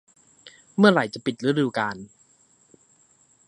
เมื่อไหร่จะปิดฤดูกาล